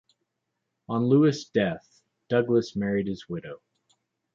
On Lewis' death, Douglass married his widow.